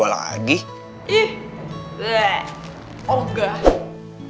daripada ntar lo mimpiin gue lagi